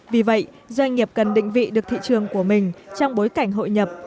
vì vậy doanh nghiệp cần định vị được thị trường của mình trong bối cảnh hội nhập